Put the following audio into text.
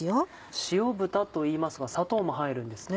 塩豚といいますが砂糖も入るんですね。